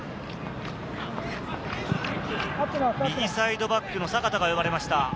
右サイドバックの坂田が呼ばれました。